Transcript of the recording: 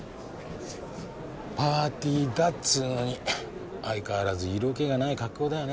パーティーだっつうのに相変わらず色気がない格好だよね。